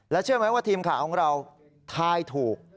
แล้วเชื่อมั้ยว่าทีมข่าวของเราทายถูก